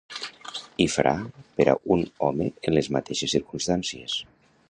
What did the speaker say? I fra per a un home en les mateixes circumstàncies.